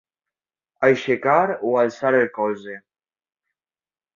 Aixecar o alçar el colze.